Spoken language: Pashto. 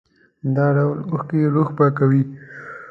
همدا ډول اوښکې روح پاکوي.